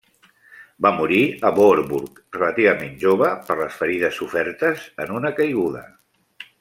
Va morir a Voorburg relativament jove per les ferides sofertes en una caiguda.